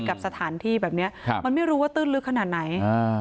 กับสถานที่แบบเนี้ยครับมันไม่รู้ว่าตื้นลึกขนาดไหนอ่า